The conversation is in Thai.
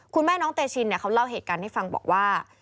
คุณแม่น้องเตชินเขาเล่าเหตุการณ์ให้ฟังบอกว่า